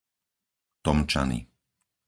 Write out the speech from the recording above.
Tomčany